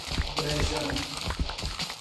Brejão